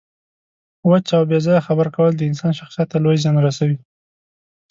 وچه او بې ځایه خبره کول د انسان شخصیت ته لوی زیان رسوي.